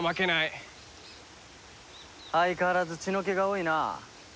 相変わらず血の気が多いな。